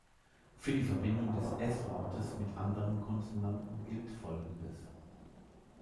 Für die Verbindung des S-Lautes mit anderen Konsonanten gilt Folgendes.